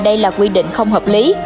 đây là quy định không hợp lý